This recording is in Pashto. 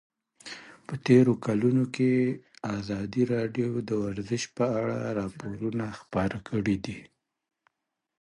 په تېرو کلونو کې ازادي راډیو د ورزش په اړه راپورونه خپاره کړي دي.